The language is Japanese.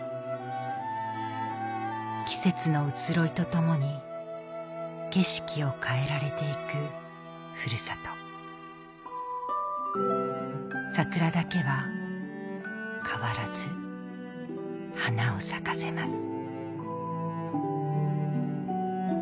季節の移ろいと共に景色を変えられて行くふるさと桜だけは変わらず花を咲かせます